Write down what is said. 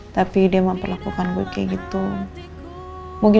tapi dia mah perlakukan gue kayak gitu